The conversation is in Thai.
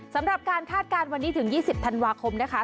สำหรับการคาดการณ์วันนี้ถึง๒๐ธันวาคมนะคะ